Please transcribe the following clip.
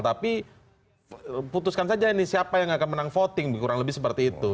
tapi putuskan saja ini siapa yang akan menang voting kurang lebih seperti itu